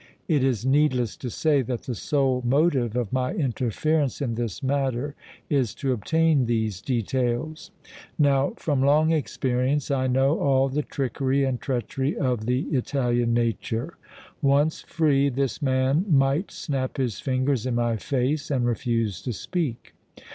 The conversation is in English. It is needless to say that the sole motive of my interference in this matter is to obtain these details. Now, from long experience I know all the trickery and treachery of the Italian nature. Once free, this man might snap his fingers in my face and refuse to speak.